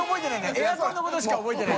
エアコンのことしか覚えてない。